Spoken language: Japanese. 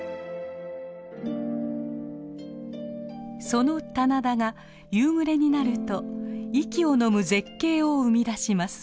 その棚田が夕暮れになると息をのむ絶景を生み出します。